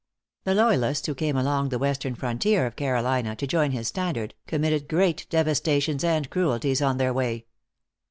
The loyalists who came along the western frontier of Carolina to join his standard, committed great devastations and cruelties on their way.